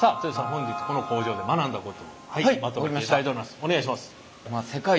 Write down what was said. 本日この工場で学んだことまとめていただいております。